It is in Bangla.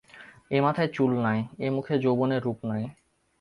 এ মাথায় চুল নাই, এ মুখে যৌবনের রূপ নাই।